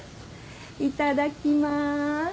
いただきます。